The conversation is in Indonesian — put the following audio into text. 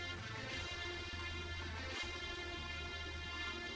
harus kok istrinya terlalu dekat heute lagi tak muncul